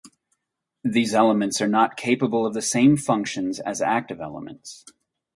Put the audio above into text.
These elements are not capable of the same functions as active elements.